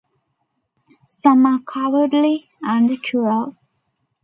Some are cowardly and cruel.